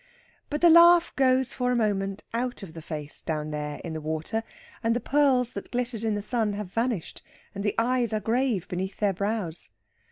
But the laugh goes for a moment out of the face down there in the water, and the pearls that glittered in the sun have vanished and the eyes are grave beneath their brows.